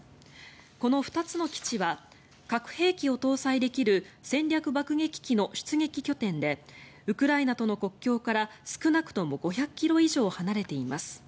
この２つの基地は核兵器を搭載できる戦略爆撃機の出撃拠点でウクライナとの国境から少なくとも５００ｋｍ以上離れています。